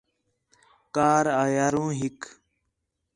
کار آ ٻاہروں ہِک